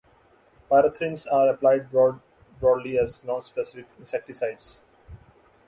Pyrethrins are applied broadly as nonspecific insecticides.